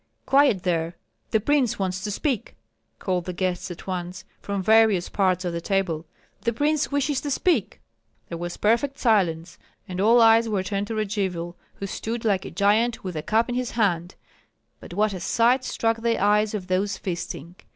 "Quiet there! the prince wants to speak!" called the guests at once, from various parts of the table. "The prince wishes to speak!" There was perfect silence; and all eyes were turned to Radzivill, who stood, like a giant, with a cup in his hand. But what a sight struck the eyes of those feasting!